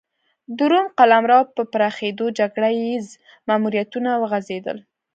د روم قلمرو په پراخېدو جګړه ییز ماموریتونه وغځېدل